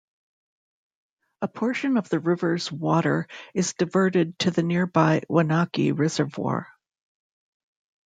A portion of the river's water is diverted to the nearby Wanaque Reservoir.